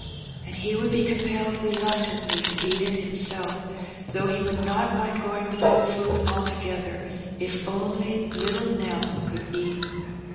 ^' And he would be compelled reluctantly to eat it himself, though he would not mind going without food altogether if only ^^ little Nell" could eat.